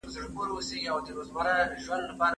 د پښتو ژبې ژبښود ستونزمن دی.